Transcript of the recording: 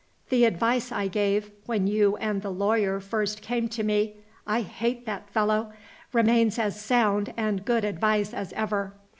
The advice I gave, when you and the lawyer first came to me I hate that fellow! remains as sound and good advice as ever.